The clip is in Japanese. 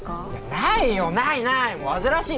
ないよないない！